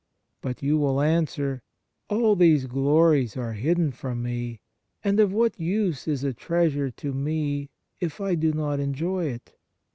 But you will answer: " All these glories are hidden from me, and of what use is a treasure to me if I do not enjoy it